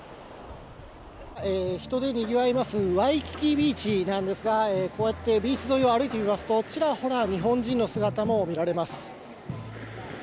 人でにぎわいます、ワイキキビーチなんですが、こうやってビーチ沿いを歩いてみますと、ちらほら日本人の姿も見られます。